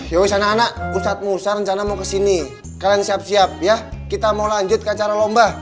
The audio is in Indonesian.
ya wis anak anak pusat musa rencana mau kesini kalian siap siap ya kita mau lanjut ke acara lomba